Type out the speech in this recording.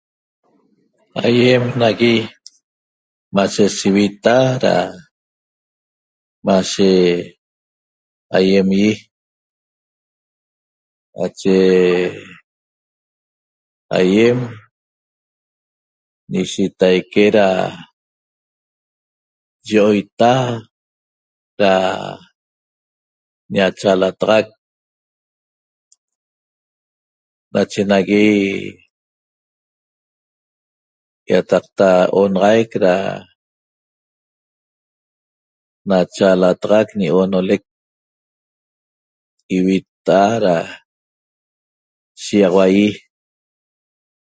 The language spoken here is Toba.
Aýen nagui mashe sivita da mashe aýem ýi nache aýem ñishitaique da yioita da ñachaalataxac nache nagui ýataqta onaxaic da nachaalataxac ñi o'onolec ivitta'a da shiýaxaua ýi